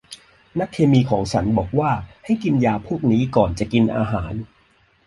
นักเคมีของฉันบอกว่าให้กินยาพวกนี้ ก่อนจะกินอาหาร